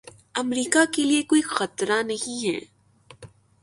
امریکا کے لیے کوئی خطرہ نہیں ہیں